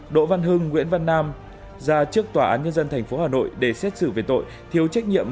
đỗ văn hưng nguyễn văn nam ra trước tòa án nhân dân tp hà nội để xét xử về tội thiếu trách nhiệm